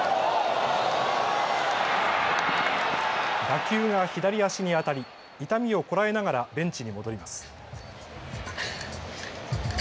打球が左足に当たり痛みをこらえながらベンチに戻ります。